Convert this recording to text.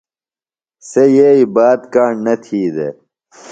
سےۡ یئی بات کاݨ نہ تھی دےۡ۔